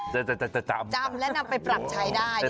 จำและนำไปปรับใช้ได้